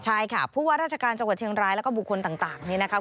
ใช่ค่ะผู้ว่าราชการจังหวัดเชียงรายแล้วก็บุคคลต่างนี่นะคะ